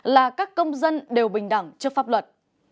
là các công dân đều bình đẳng trước pháp luật